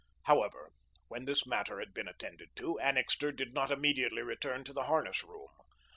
However, when this matter had been attended to, Annixter did not immediately return to the harness room.